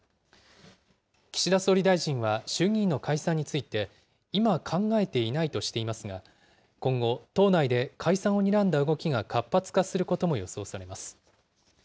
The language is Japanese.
岸田総理大臣は衆議院の解散について、今考えていないとしていますが、今後、党内で解散をにらんだ動きが活発化することも予想されます。